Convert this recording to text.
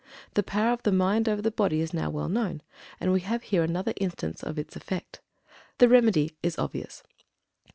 The power of the mind over the body is now well known, and we have here another instance of its effect. The remedy is obvious.